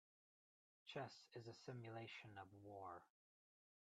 Chess is a simulation of war.